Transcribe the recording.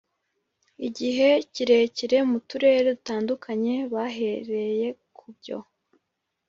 igihe kirekire mu turere dutandukanye Bahereye ku byo